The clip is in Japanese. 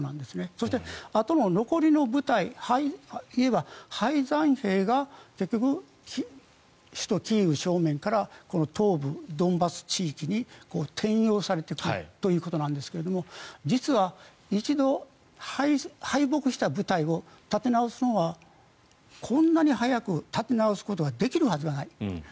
そして、あとの残りの部隊敗残兵が結局、首都キーウ正面から東部ドンバス地域に転用されていくということなんですが実は一度、敗北した部隊を立て直すのはこんなに早く立て直すことができるはずがない。